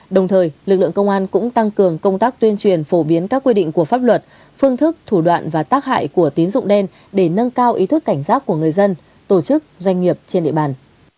đồng thời lực lượng công an cũng tăng cường công tác tuyên truyền phổ biến các quy định của pháp luật phương thức thủ đoạn và tác hại của tín dụng đen để nâng cao ý thức cảnh giác của người dân tổ chức doanh nghiệp trên địa bàn